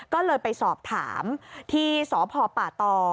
ก็เลยไปสอบถามที่สพป่าตอ